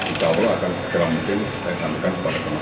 insya allah akan segera mungkin disampaikan kepada teman teman